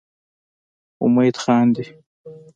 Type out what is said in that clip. امید خاندي.